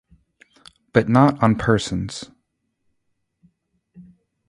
But not on persons.